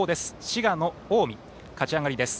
滋賀の近江、勝ち上がりです。